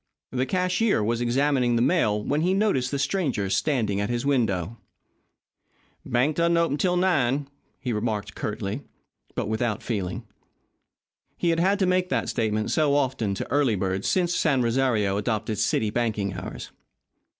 The cashier was examining the mail when he noticed the stranger standing at his window. "Bank doesn't open 'til nine," he remarked curtly, but without feeling. He had had to make that statement so often to early birds since San Rosario adopted city banking hours.